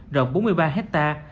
rộng bốn mươi ba hectare